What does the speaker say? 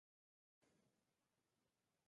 এই পরিবারটির ক্ষেত্রে সেরকম কিছু ঘটে নি।